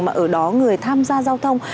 mà ở đó người tham gia giao thông